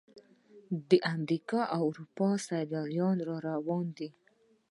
د امریکا او اروپا سیلانیان را روان دي.